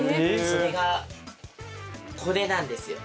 それがこれなんですよ。